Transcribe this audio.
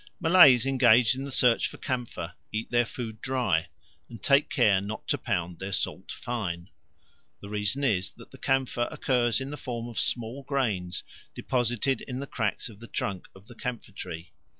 Malays engaged in the search for camphor eat their food dry and take care not to pound their salt fine. The reason is that the camphor occurs in the form of small grains deposited in the cracks of the trunk of the camphor tree.